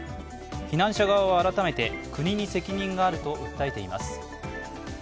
避難者側は改めて国に責任があると訴えています。